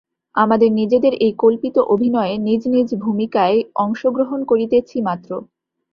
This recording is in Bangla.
আমাদের নিজেদের এই কল্পিত অভিনয়ে নিজ নিজ ভূমিকায় অংশ গ্রহণ করিতেছি মাত্র।